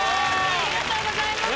ありがとうございます。